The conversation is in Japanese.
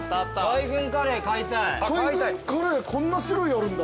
海軍カレーこんな種類あるんだ。